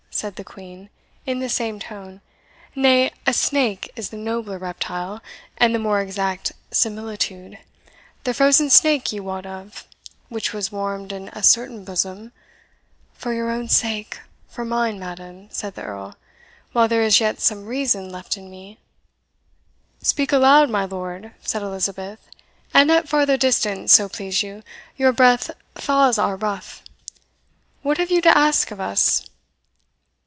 said the Queen, in the same tone; "nay, a snake is the nobler reptile, and the more exact similitude the frozen snake you wot of, which was warmed in a certain bosom " "For your own sake for mine, madam," said the Earl "while there is yet some reason left in me " "Speak aloud, my lord," said Elizabeth, "and at farther distance, so please you your breath thaws our ruff. What have you to ask of us?"